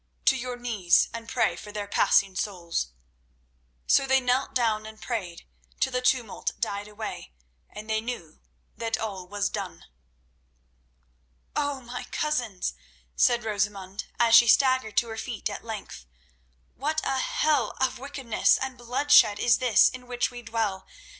To your knees and pray for their passing souls." So they knelt down and prayed till the tumult died away, and they knew that all was done. "Oh, my cousins," said Rosamund, as she staggered to her feet at length, "what a hell of wickedness and bloodshed is this in which we dwell!